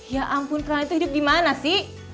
ya ampun trump itu hidup di mana sih